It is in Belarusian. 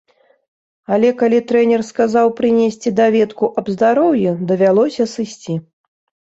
Але калі трэнер сказаў прынесці даведку аб здароўі, давялося сысці.